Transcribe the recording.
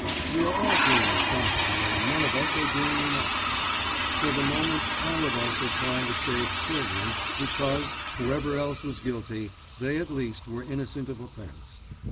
We are all doing something and none of us are doing enough. For the moment all of us are trying to save children because, whoever else was guilty, they at least were innocent of offence.